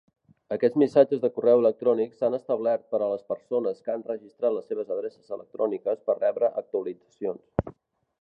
Aquests missatges de correu electrònic s'han establert per a les persones que han registrat les seves adreces electròniques per rebre actualitzacions.